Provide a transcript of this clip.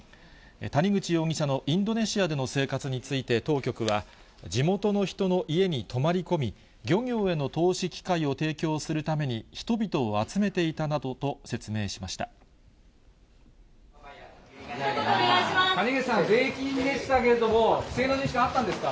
谷口容疑者のインドネシアでの生活について当局は、地元の人の家に泊まり込み、漁業への投資機会を提供するために人々を集めていたなどと説明しひと言お願いします。